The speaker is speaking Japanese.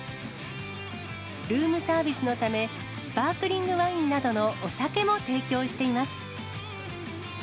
ルームサービスのため、スパークリングワインなどのお酒も提供しています。